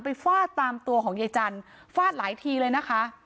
ฟาดตามตัวของยายจันทร์ฟาดหลายทีเลยนะคะ